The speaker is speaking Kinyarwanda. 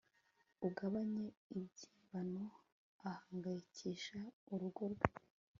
ugabanye ibyibano ahangayikisha urugo rwe